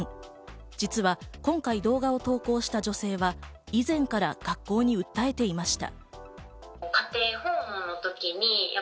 実は今回、動画を投稿した女性は以前から学校に訴えていました。